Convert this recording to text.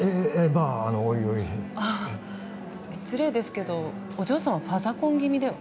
まあおいおいああ失礼ですけどお嬢さんはファザコン気味では？